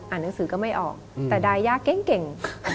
อ่านหนังสือก็ไม่ออกแต่ได้ยากเก่ง